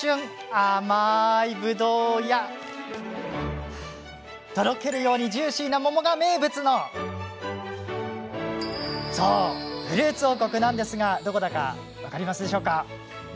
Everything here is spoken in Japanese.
甘いぶどうやとろけるようにジューシーな桃が名物のフルーツ王国なんですがどこだか分かりますか？